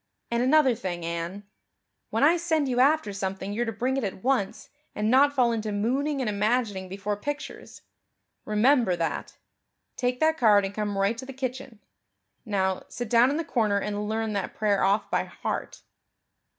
And another thing, Anne, when I send you after something you're to bring it at once and not fall into mooning and imagining before pictures. Remember that. Take that card and come right to the kitchen. Now, sit down in the corner and learn that prayer off by heart."